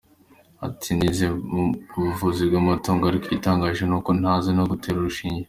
Ati “Nize ubuvuzi bw’amatungo ariko igitangaje ni uko ntazi no gutera urushinge.